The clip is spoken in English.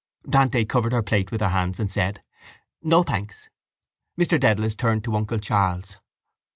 Dante covered her plate with her hands and said: —No, thanks. Mr Dedalus turned to uncle Charles.